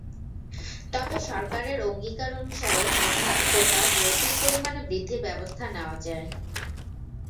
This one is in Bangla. তবে সরকারের অঙ্গীকার অনুসারে মেধা কোটা যৌক্তিক পরিমাণে বৃদ্ধির ব্যবস্থা নেওয়া যায়।